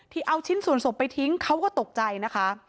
เอาชิ้นส่วนศพไปทิ้งเขาก็ตกใจนะคะ